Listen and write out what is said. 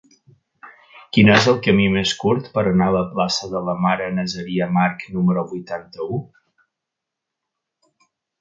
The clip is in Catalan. Quin és el camí més curt per anar a la plaça de la Mare Nazaria March número vuitanta-u?